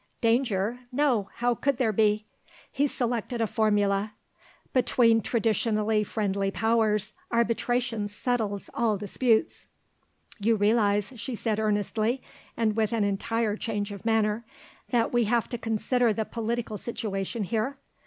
"Danger? No how could there be?" He selected a formula: "Between traditionally friendly powers arbitration settles all disputes." "You realise," she said earnestly and with an entire change of manner, "that we have to consider the political situation here?